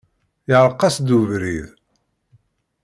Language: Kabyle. Iεreq-as-d ubrid.